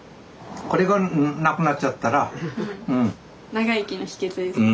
長生きの秘けつですね。